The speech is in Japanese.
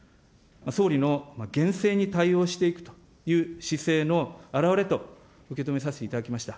総理の厳正に対応していくという姿勢の表れと受け止めさせていただきました。